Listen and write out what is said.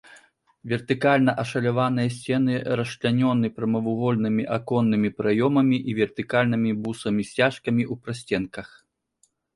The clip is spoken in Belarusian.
Вертыкальна ашаляваныя сцены расчлянёны прамавугольнымі аконнымі праёмамі і вертыкальнымі бусамі-сцяжкамі ў прасценках.